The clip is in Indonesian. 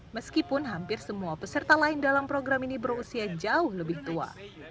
meskipun hampir semua peserta lain dalam program ini berusia jauh lebih tua